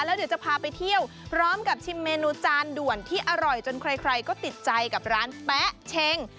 แล้วเดี๋ยวจะพาไปเที่ยวพร้อมกับชิมเมนูจานด่วนที่อร่อยจนใครก็ติดใจกับร้านแป๊ะเช็ง